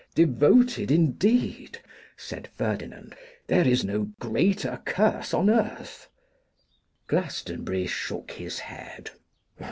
'Devoted, indeed!' said Ferdinand; 'there is no greater curse on earth.' Glastonbury shook his head.